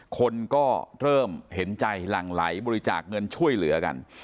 คนก็เริ่มเห็นใจหลั่งไหลบริจาคเงินช่วยเหลือกัน